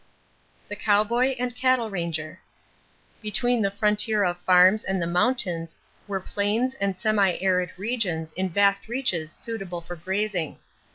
=The Cowboy and Cattle Ranger.= Between the frontier of farms and the mountains were plains and semi arid regions in vast reaches suitable for grazing.